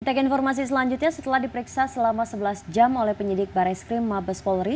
tek informasi selanjutnya setelah diperiksa selama sebelas jam oleh penyidik barai skrim mabes polri